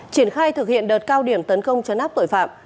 triển khai thực hiện đợt cao điểm tấn công chấn áp tội phạm